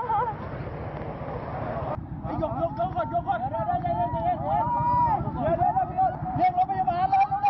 โอ้โอ๊ยคลิปเป็นเรื่องราวหรือเป็นราวอีก